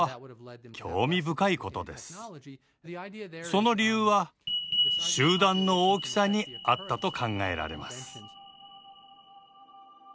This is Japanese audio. その理由は集団の大きさにあったと考えられます。